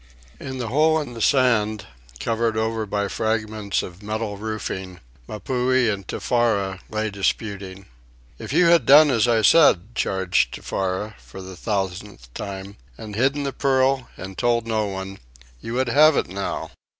In the hole in the sand, covered over by fragments of metal roofing, Mapuhi and Tefara lay disputing. "If you had done as I said," charged Tefara, for the thousandth time, "and hidden the pearl and told no one, you would have it now."